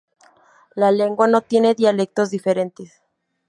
La lengua no tiene dialectos diferentes.